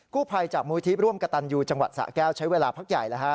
กู้ภัยจากมูลที่ร่วมกระตันยูจังหวัดสะแก้วใช้เวลาพักใหญ่